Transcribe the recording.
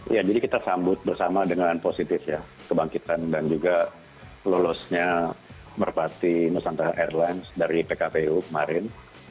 ya jadi kita sambut bersama dengan positif ya kebangkitan dan juga lolosnya merpati nusantara airlines dari pkpu kemarin